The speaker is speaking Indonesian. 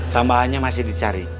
tambahannya masih dicari